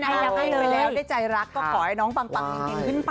ถ้าไม่ได้ใจรักก็ขอให้น้องปังปังอย่างกินขึ้นไป